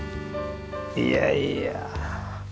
いやいや。